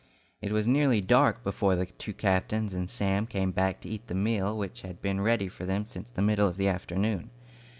It was nearly dark before the two captains and Sam came back to eat the meal which had been ready for them since the middle of the afternoon.